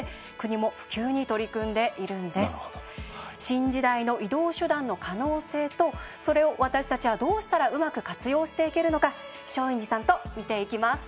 新時代の移動手段の可能性とそれを私たちはどうしたらうまく活用していけるのか松陰寺さんと見ていきます。